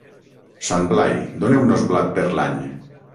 Sant Blai, doneu-nos blat per l'any.